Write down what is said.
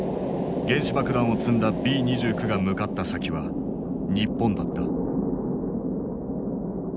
原子爆弾を積んだＢ２９が向かった先は日本だった。